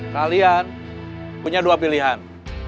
kalian punya dua pilihan